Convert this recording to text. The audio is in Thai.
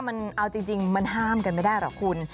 มันธรรมกันไม่ได้เหรอคุณ